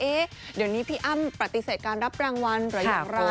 เดี๋ยวนี้พี่อ้ำปฏิเสธการรับรางวัลหรืออย่างไร